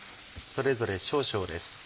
それぞれ少々です。